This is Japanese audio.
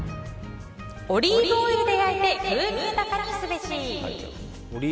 オリーブオイルで焼いて風味豊かにすべし。